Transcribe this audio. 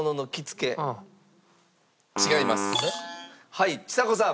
はいちさ子さん。